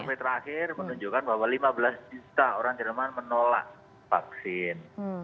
sampai terakhir menunjukkan bahwa lima belas juta orang jerman menolak vaksin